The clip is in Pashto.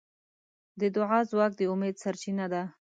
د دعا ځواک د امید سرچینه ده.